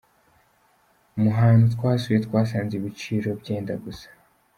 Mu hantu twasuye twasanze ibiciro byenda gusa.